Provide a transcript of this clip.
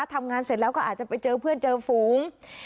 ทำงานเสร็จแล้วก็อาจจะไปเจอเพื่อนเจอฝูง